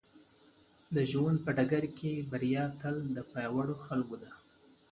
د ژوند په ډګر کې بريا تل د پياوړو خلکو ده.